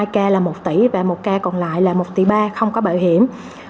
hai ca là một tỷ và một ca còn lại là một tỷ ba không có bảo hiểm